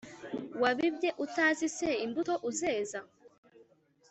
wabibye utazi se imbuto uzeza?